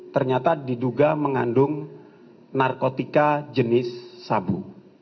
ternyata diduga mengandung narkotika jenis sabu